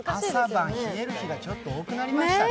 朝晩、冷える日がちょっと多くなりましたね。